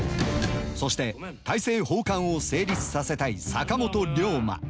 そして大政奉還を成立させたい坂本龍馬。